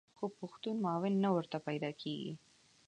خو پښتون معاون نه ورته پیدا کېږي.